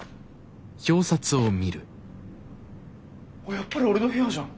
やっぱり俺の部屋じゃん。